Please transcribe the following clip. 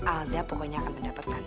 alda pokoknya akan mendapatkan